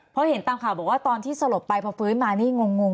เพราะเห็นตามข่าวบอกว่าตอนที่สลบไปพอฟื้นมานี่งง